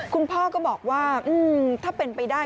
คุณพ่อก็บอกว่าถ้าเป็นไปได้